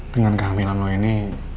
dengan kehamilan lo ini